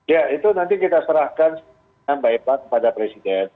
ya itu nanti kita serahkan mbak ipa kepada presiden